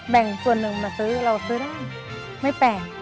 แบ่งส่วนหนึ่งมาซื้อเราซื้อได้ไม่แปลก